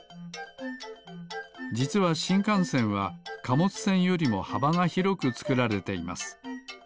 じつはしんかんせんはかもつせんよりもはばがひろくつくられています。